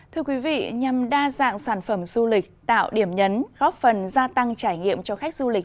thưa quý vị nhằm đa dạng sản phẩm du lịch tạo điểm nhấn góp phần gia tăng trải nghiệm cho khách du lịch